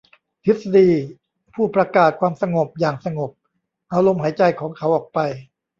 ทฤษฎีผู้ประกาศความสงบอย่างสงบเอาลมหายใจของเขาออกไป